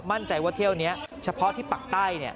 มั่นใจว่าเที่ยวนี้เฉพาะที่ปักใต้